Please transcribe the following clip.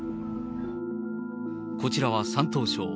こちらは山東省。